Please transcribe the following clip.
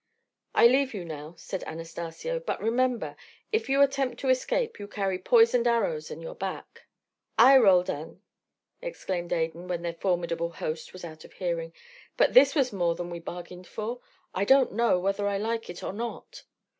"I leave you now," said Anastacio, "but remember if you attempt to escape you carry poisoned arrows in your backs." "Ay, Roldan!" exclaimed Adan, when their formidable host was out of hearing. "But this was more than we bargained for. I don't know whether I like it or not."